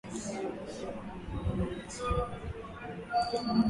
baada ya kuhudhuria tamasha la mwanamuziki maarufu wa Ufaransa